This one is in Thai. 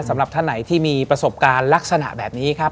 สำหรับท่านไหนที่มีประสบการณ์ลักษณะแบบนี้ครับ